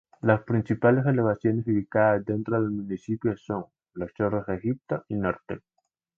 Las principales elevaciones ubicadas dentro del municipio son: los cerros Egipto y Norte.